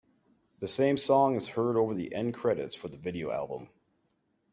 The same song is heard over the end credits for the video album.